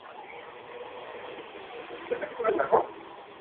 Al principio participaba sobre todo en pruebas de cross-country.